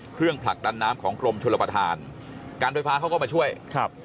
ผลักดันน้ำของกรมชลประธานการไฟฟ้าเขาก็มาช่วยครับ